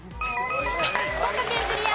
福岡県クリア。